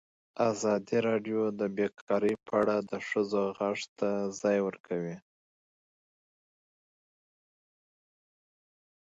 ازادي راډیو د بیکاري په اړه د ښځو غږ ته ځای ورکړی.